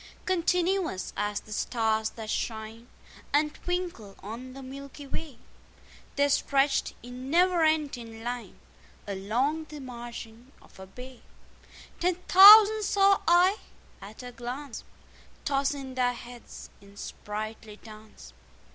Continuous as the stars that shine And twinkle on the milky way, They stretched in never ending line Along the margin of a bay: 10 Ten thousand saw I at a glance, Tossing their heads in sprightly dance.